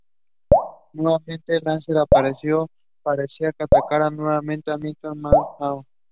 Nuevamente Lesnar apareció y parecía que atacaría nuevamente a Mr.McMahon.